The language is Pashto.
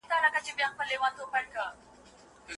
تعصب د څېړنې سترګې پټوي او حقیقت نه ښکاره کوي.